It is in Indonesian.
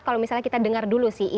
kalau misalnya kita dengar dulu sih